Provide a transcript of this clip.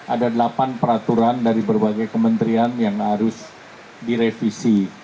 ada delapan peraturan dari berbagai kementerian yang harus direvisi